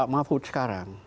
pekerjaan pak mahfud sekarang